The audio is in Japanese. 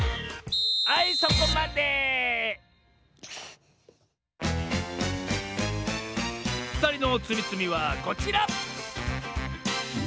はいそこまでふたりのつみつみはこちら！